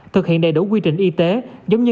thực hiện đầy đủ quy trình y tế giống như